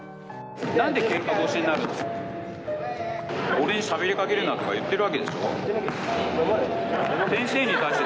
「俺にしゃべりかけるな」とか言ってるわけでしょ？